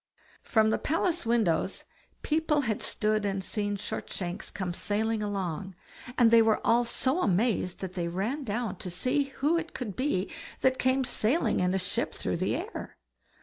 From the palace windows people had stood and seen Shortshanks come sailing along, and they were all so amazed that they ran down to see who it could be that came sailing in a ship through the air.